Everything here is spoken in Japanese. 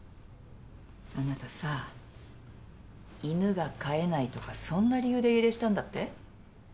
あなたさ犬が飼えないとかそんな理由で家出したんだって？